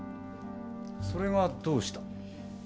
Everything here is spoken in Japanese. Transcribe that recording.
それがどうした？